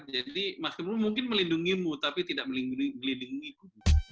jadi maskermu mungkin melindungimu tapi tidak melindungiku